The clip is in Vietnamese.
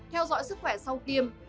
theo dõi sức khỏe sau tiêm